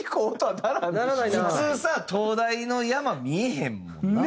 普通さ東大の山見えへんもんな。